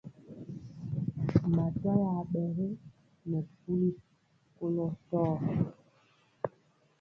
Matwa ya ɓɛ ge nɛ puli kolɔ tɔɔ.